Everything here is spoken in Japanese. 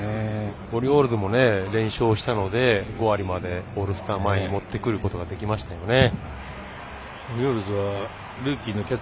オリオールズも連勝したので５割までオールスター前に持ってくることができましたよね。